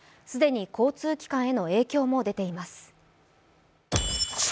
既に交通機関への影響も出ています。